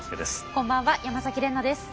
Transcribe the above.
こんばんは山崎怜奈です。